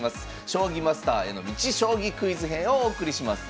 「将棋マスターへの道将棋クイズ編」をお送りします。